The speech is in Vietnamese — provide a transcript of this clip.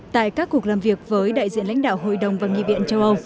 tại các cuộc làm việc với đại diện lãnh đạo hội đồng và nghị viện châu âu